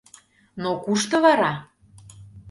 Но кушто вара?